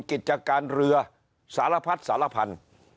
กิจการเรือสารพัดสารพันธุ์